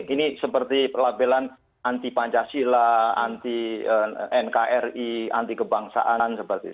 ini seperti pelabelan anti pancasila anti nkri anti kebangsaan seperti itu